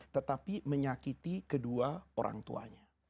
tetapi menyakiti kedua orang tuanya